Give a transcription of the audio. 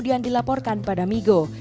dan dilaporkan pada migo